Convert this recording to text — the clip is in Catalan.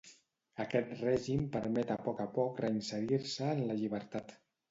Aquest règim permet a poc a poc reinserir-se en la llibertat.